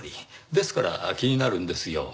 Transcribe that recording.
ですから気になるんですよ。